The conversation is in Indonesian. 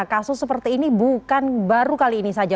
kasus seperti ini bukan baru kali ini saja